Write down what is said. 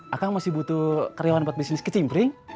akang masih butuh karyawan buat bisnis ke cimpring